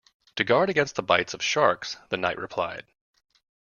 ‘To guard against the bites of sharks,’ the Knight replied.